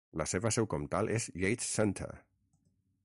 La seva seu comtal és Yates Center.